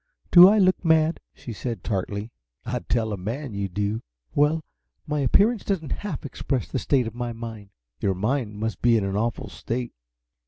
"Do I look mad?" asked she, tartly. "I'd tell a man you do!" "Well my appearance doesn't half express the state of my mind!" "Your mind must be in an awful state."